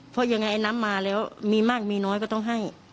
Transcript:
เพราะยังไงไอ้น้ำมาแล้วมีมากมีน้อยก็ต้องให้